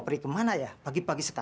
tidak ada yang kepancing